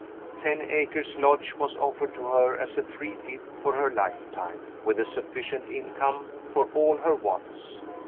Ten Acres Lodge was offered to her as a free gift for her lifetime, with a sufficient income for all her wants.